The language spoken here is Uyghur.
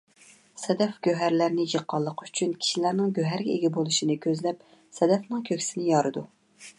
سەدەف گۆھەرلەرنى يىغقانلىقى ئۈچۈن، كىشىلەرنىڭ گۆھەرگە ئىگە بولۇشىنى كۆزلەپ سەدەفنىڭ كۆكسىىنى يارىدۇ.